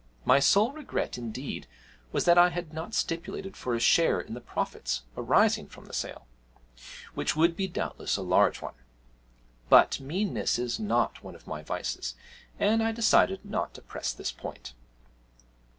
My sole regret, indeed, was that I had not stipulated for a share in the profits arising from the sale which would be doubtless a large one; but meanness is not one of my vices, and I decided not to press this point.